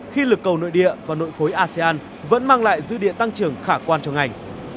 khi lực cầu nội địa và nội khối asean vẫn mang lại dư địa tăng trưởng khả quan cho ngành